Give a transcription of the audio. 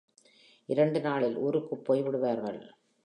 இரண்டு நாளில் ஊருக்குப் போய் விடுவார்கள்.